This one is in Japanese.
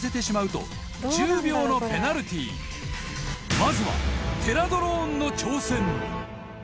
まずはテラドローンの挑戦